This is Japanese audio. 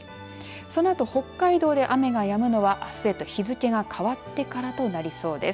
そのあと北海道で雨がやむのはあすへと日付が変わってからとなりそうです。